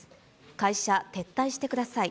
会社撤退してください。